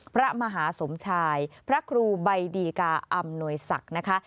พระมหาสมชายพระครูใบดีกาอำนวยศักดิ์นะคะ